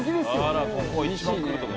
あらここ一番来るとこ。